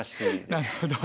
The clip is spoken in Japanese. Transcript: なるほど。